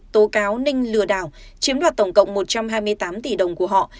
tố cáo ninh lừa đảo chiếm đoạt tổng cộng một trăm hai mươi tám tỷ đồng của họ